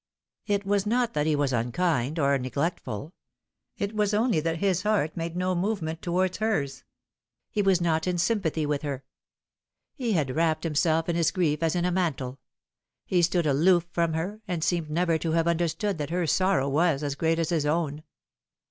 It was not that he was unkind or neglectful, it was only that his heart made no movement towards hers ; he was not in sympathy with her. He had wrapped himself in his grief as in a mantle ; he stood uloof from her, and seemed never to have understood that her Borrow was as great as his own.